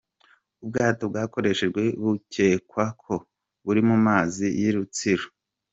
Ubwato bwakoreshejwe bukekwa ko buri mu mazi y’i Rutsiro.